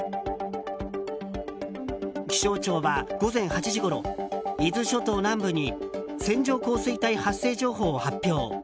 気象庁は午前８時ごろ伊豆諸島南部に線状降水帯発生情報を発表。